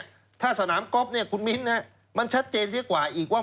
แถมที่ดินถ้าสนามก๊อบคุณมิ้นท์มันชัดเจนเฉพาะอีกว่า